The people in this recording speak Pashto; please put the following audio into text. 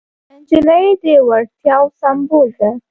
نجلۍ د وړتیاوو سمبول ده.